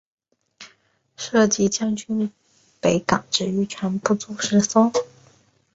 设籍将军北港之渔船不足十艘。